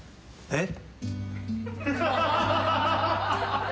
えっ。